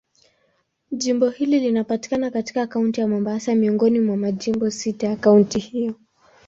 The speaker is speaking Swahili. Jimbo hili linapatikana katika Kaunti ya Mombasa, miongoni mwa majimbo sita ya kaunti hiyo.